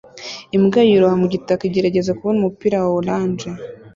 Imbwa yiroha mu gitaka igerageza kubona umupira wa orange